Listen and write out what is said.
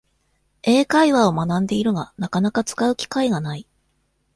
英会話を学んでいるが、なかなか使う機会がない